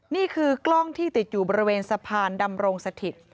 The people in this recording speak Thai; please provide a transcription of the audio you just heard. นี่คือกล้องที่ติดอยู่บริเวณสะพานดำรงสถิต